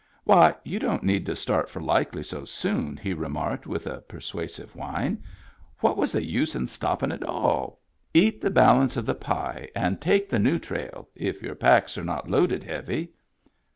"Why, you don't need to start for Likely so soon," he remarked with a persuasive whine. " What was the use in stoppin' at all ? Eat the balance of the pie and take the new trail — if your packs are not loaded heavy."